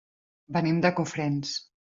Venim de Cofrents.